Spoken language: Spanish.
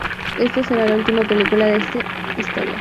Esta será la última película de esta historia.